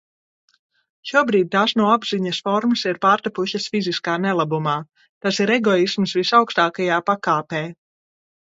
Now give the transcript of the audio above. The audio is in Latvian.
Šobrīd tās no apziņas formas ir pārtapušas fiziskā nelabumā. Tas ir egoisms visaugstākajā pakāpē.